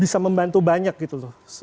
bisa membantu banyak gitu